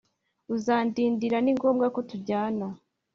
Uzandindira ni ngombwa ko tujyana